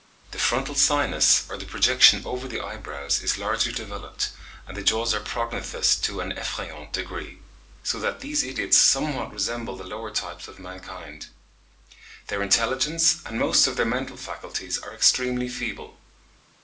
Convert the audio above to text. The frontal sinus, or the projection over the eye brows, is largely developed, and the jaws are prognathous to an "effrayant" degree; so that these idiots somewhat resemble the lower types of mankind. Their intelligence, and most of their mental faculties, are extremely feeble.